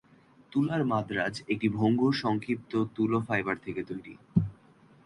তুলার মাদ্রাজ একটি ভঙ্গুর সংক্ষিপ্ত তুলো ফাইবার থেকে তৈরী।